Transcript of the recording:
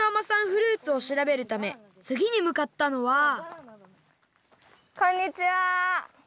フルーツをしらべるためつぎにむかったのはこんにちは！